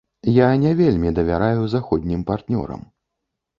Я не вельмі давяраю заходнім партнёрам.